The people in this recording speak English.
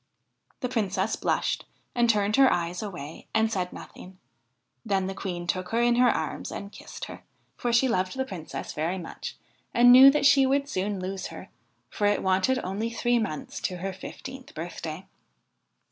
' The Princess blushed and turned her eyes away and said nothing ; then the Queen took her in her arms and kissed her, for she loved the Princess very much and knew that she would soon lose her, for it wanted only three months to her fifteenth birthday.